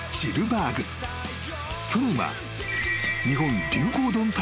［去年は］